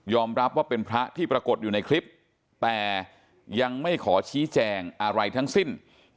รับว่าเป็นพระที่ปรากฏอยู่ในคลิปแต่ยังไม่ขอชี้แจงอะไรทั้งสิ้น